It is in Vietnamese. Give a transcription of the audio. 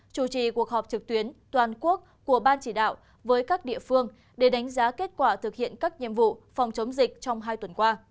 chủ trì cuộc họp trực tuyến toàn quốc của ban chỉ đạo với các địa phương để đánh giá kết quả thực hiện các nhiệm vụ phòng chống dịch trong hai tuần qua